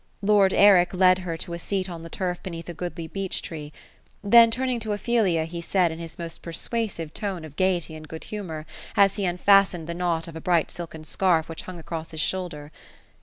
Lord Eric led her to a seat on the turf beneath a goodl} beech tree ; then turning to Ophelia, he said, in his most persuasive tone of gaiety and good humor, as he unfastened the knot of a bright silken scarf, which hung across his shoulder.